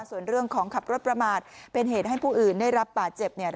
ส่วนเรื่องของขับรถประมาทเป็นเหตุให้ผู้อื่นได้รับบาดเจ็บเนี่ย